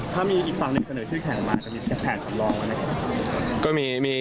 ถ้ามีอีกฝั่งหนึ่งเสนอชื่อแข่งก่อนจะมีแผนกับรองหรือไม่